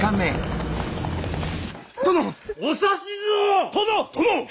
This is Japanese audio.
殿！お指図を！